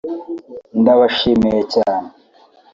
Ndabashimiye cyane